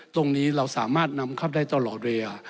ตรงนี้เราสามารถนำเข้าได้ตลอดระยะ